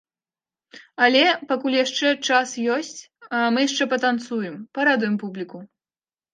Але пакуль яшчэ час ёсць, мы яшчэ патанцуем, парадуем публіку!